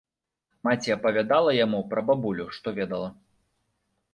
Маці апавядала яму пра бабулю, што ведала.